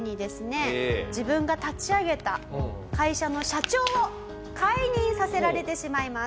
自分が立ち上げた会社の社長を解任させられてしまいます。